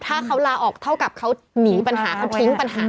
ถ้าเขาลาออกเท่ากับเขาหนีปัญหาเขาทิ้งปัญหา